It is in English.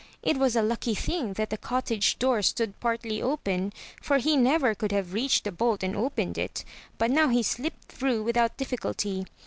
It was a lucky thing that the cottage door stood partly open, for he never could have reached the bolt and opened it; but now he slipped through without difficulty.